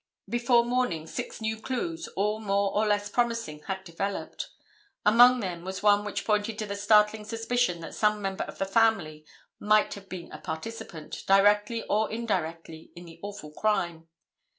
Before morning six new clues, all more or less promising, had developed. Among them was one which pointed to the startling suspicion that some member of the family might have been a participant, directly or indirectly, in the awful crime.